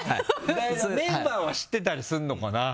メンバーは知ってたりするのかな。